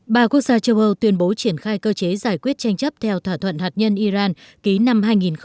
ba quốc gia châu âu tuyên bố triển khai cơ chế giải quyết tranh chấp theo thỏa thuận hạt nhân iran ký năm hai nghìn một mươi năm